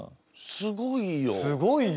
すごいよ！